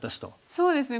そうですね